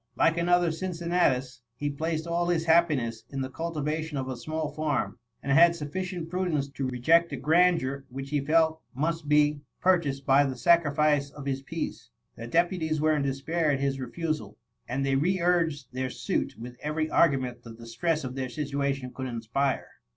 Like another Cindnnatus, he placed all his happiness in the cultivation of a small farm, and had sufBdent prudence to reject a grandeur which he fdt must be purchased by the sacrifice of his peace. The deputies were in despair at his refusal; and they re urged their suit with every argument the distress of their situation could inspire.